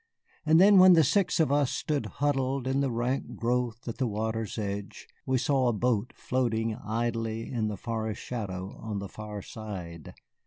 And then, when the six of us stood huddled in the rank growth at the water's edge, we saw a boat floating idly in the forest shadow on the far side.